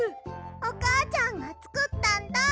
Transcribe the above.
おかあちゃんがつくったんだ！